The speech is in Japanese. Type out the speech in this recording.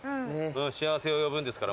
倖せを呼ぶんですから。